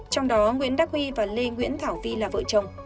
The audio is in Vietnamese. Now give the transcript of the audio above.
trong đó nguyễn đắc huy và lê nguyễn thảo vi là vợ chồng